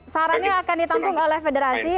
sarannya akan ditampung oleh federasi